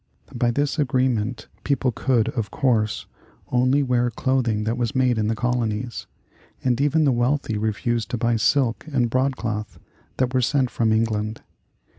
By this agreement people could, of course, only wear clothing that was made in the colonies, and even the wealthy refused to buy silk and broadcloth that were sent from England.